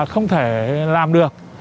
không thể làm được